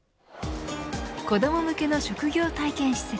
子ども向けの職業体験施設